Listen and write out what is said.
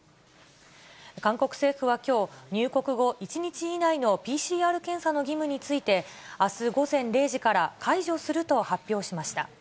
韓国政府はきょう、入国後１日以内のＰＣＲ検査の義務について、あす午前０時から解除すると発表しました。